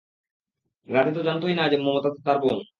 রাধে তো জানতোই না মমতা যে তোমার বোন।